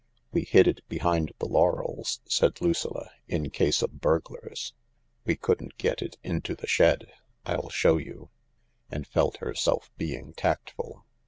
"We hid it behind the laurels," said Lucilla, "in case of burglars. We couldn't get it into the shed. I'll show you," and felt herself being tactful.